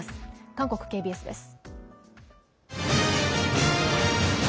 韓国ＫＢＳです。